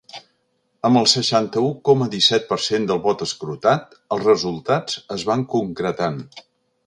Amb el seixanta-u coma disset per cent del vot escrutat, els resultats es van concretant.